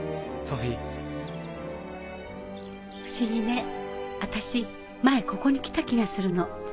不思議ね私前ここに来た気がするの。